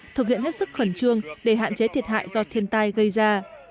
thực hiện hết sức khẩn trương để hạn chế thiệt hại do thiên tai gây ra